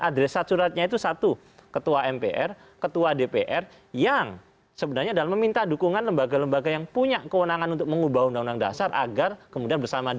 adresat suratnya itu satu ketua mpr ketua dpr yang sebenarnya dalam meminta dukungan lembaga lembaga yang punya kewenangan untuk mengubah undang undang dasar agar kemudian bersama dengan dpr